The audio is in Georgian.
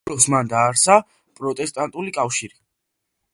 ბოლოს, მან დააარსა პროტესტანტული კავშირი.